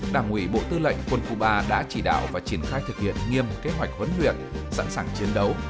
đảng ủy bộ tư lệnh quân khu ba đã chỉ đạo và triển khai thực hiện nghiêm kế hoạch huấn luyện sẵn sàng chiến đấu